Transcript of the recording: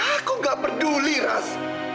aku nggak peduli ras